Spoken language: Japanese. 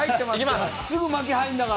すぐ巻き入るんだから。